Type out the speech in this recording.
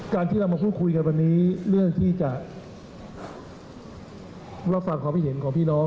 ที่เรามาพูดคุยกันวันนี้เรื่องที่จะรับฟังความคิดเห็นของพี่น้อง